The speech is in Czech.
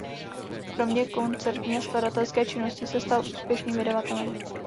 Kromě koncertní a skladatelské činnosti se stal úspěšným vydavatelem.